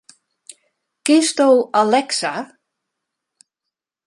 Kinsto Alexa?